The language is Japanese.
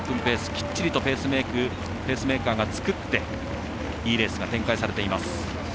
きっちりとペースメーカーが作っていいレースが展開されています。